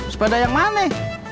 sepeda yang mana